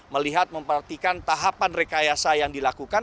melihat memperhatikan tahapan rekayasa yang dilakukan